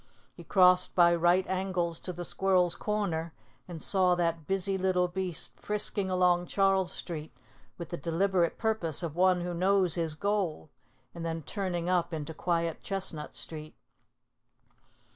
He crossed by right angles to the squirrel's corner and saw that busy little beast frisking along Charles Street, with the deliberate purpose of one who knows his goal, and then turning up into quiet Chestnut Street.